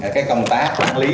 công tác bán lý